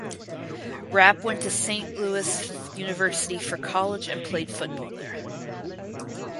Rapp went to Saint Louis University for college and played football there.